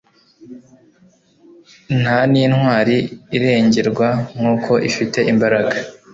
nta n'intwari irengerwa n'uko ifite imbaraga